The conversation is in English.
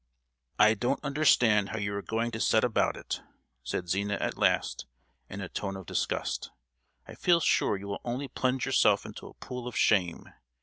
"I don't understand how you are going to set about it," said Zina at last, in a tone of disgust. "I feel sure you will only plunge yourself into a pool of shame!